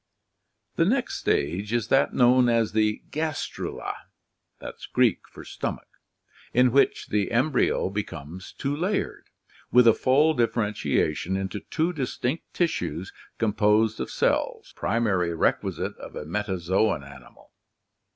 The next stage is that known as 204 ORGANIC EVOLUTION the gastrula (dim. of Gr. yaa r^p, stomach), in which the embryo becomes two layered, with a full differentiation into two distinct tissues composed of cells, the primary requisite of a metazoan ani mal.